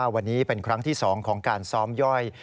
วันนี้เป็นครั้งที่๒ของการซ้อมย่อย